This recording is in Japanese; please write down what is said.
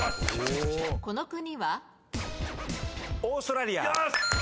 この国は？オーストラリア。